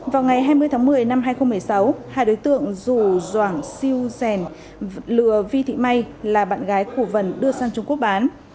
vào ngày hai mươi tháng một mươi năm hai nghìn một mươi sáu hai đối tượng rủ doảng siêu sèn lừa vi thị may là bạn gái của vần đưa sang trung quốc bán